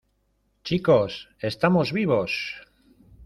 chicos, estamos vivos.